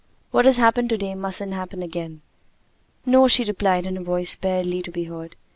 "What has happened to day mustn't happen again." "No!" she replied, in a voice barely to be heard.